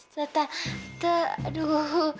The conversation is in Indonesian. tante tante aduh